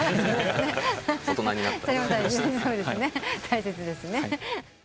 大切ですね。